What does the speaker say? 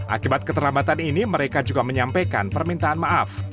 akibat keterlambatan ini mereka juga menyampaikan permintaan maaf